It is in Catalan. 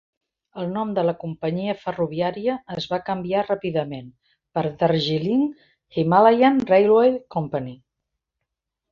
El nom de la companyia ferroviària es va canviar ràpidament per Darjeeling Himalayan Railway Company.